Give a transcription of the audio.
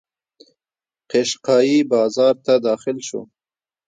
قشقایي بازار ته داخل شو.